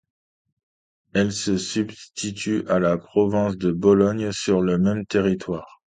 Elle se substitue à la province de Bologne sur le même territoire.